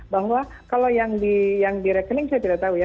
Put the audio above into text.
bahwa kalau yang direkening saya tidak tahu ya